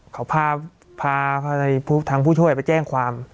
เขาพาทางผู้ช่วยไปแจ้งความ